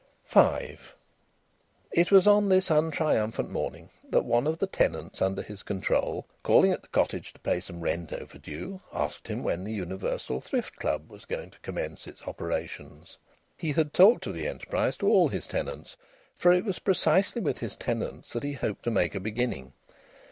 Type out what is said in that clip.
V It was on this untriumphant morning that one of the tenants under his control, calling at the cottage to pay some rent overdue, asked him when the Universal Thrift Club was going to commence its operations. He had talked of the enterprise to all his tenants, for it was precisely with his tenants that he hoped to make a beginning.